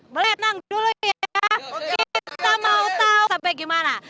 boleh tenang dulu ya kita mau tahu sampai gimana